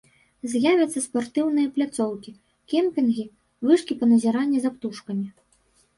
З'явяцца спартыўныя пляцоўкі, кемпінгі, вышкі па назіранні за птушкамі.